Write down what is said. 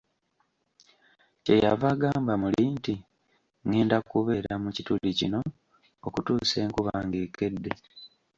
Kye yava agamba muli nti, ngenda kubeera, mu kituli kino okutuusa enkuba ng'ekedde